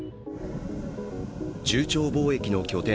中朝貿易の拠点